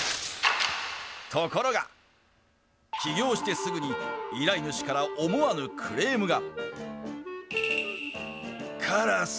ところが起業してすぐに依頼主から思わぬクレームが。